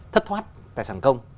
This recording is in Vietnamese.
thất thoát tài sản công